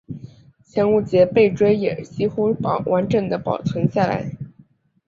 前五节背椎也是几乎完整地保存下来。